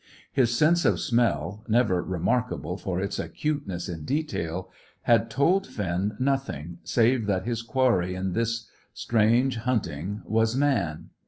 His sense of smell, never remarkable for its acuteness in detail, had told Finn nothing, save that his quarry in this strange hunting was man.